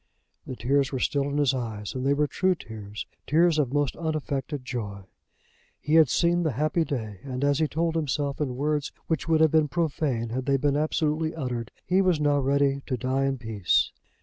The tears were still in his eyes, and they were true tears, tears of most unaffected joy. He had seen the happy day; and as he told himself in words which would have been profane had they been absolutely uttered, he was now ready to die in peace.